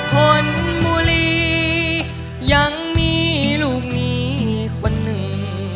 ชนบุรียังมีลูกมีคนหนึ่ง